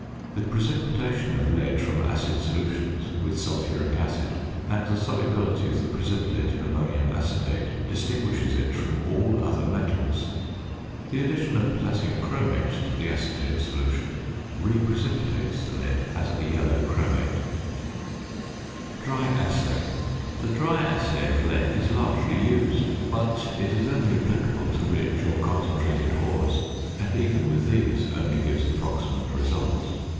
The precipitation of lead from acid solutions with sulphuric acid, and the solubility of the precipitate in ammonium acetate, distinguishes it from all other metals. The addition of potassium chromate to the acetate solution reprecipitates the lead as a yellow chromate. DRY ASSAY. The dry assay of lead is largely used, but it is only applicable to rich or concentrated ores, and even with these only gives approximate results.